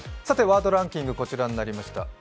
ワードランキング、こちらになりました。